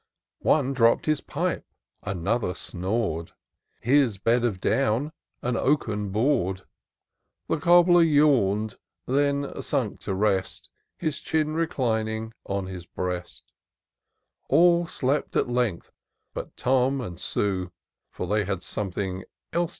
One dropp'd his pipe — another snor'd, His bed of down an oaken board ; The cobbler yawn'd, then sank to rest, His chin reclining on his breast : All slept at length but Tom and Sue, For they had something else to do.